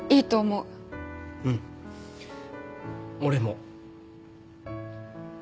うん俺も。